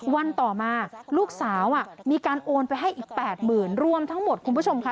วันต่อมาลูกสาวมีการโอนไปให้อีก๘๐๐๐รวมทั้งหมดคุณผู้ชมค่ะ